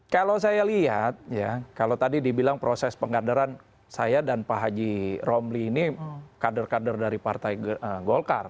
kalau saya lihat ya kalau tadi dibilang proses pengadaran saya dan pak haji romli ini kader kader dari partai golkar